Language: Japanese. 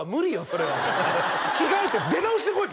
それは着替えて出直してこい！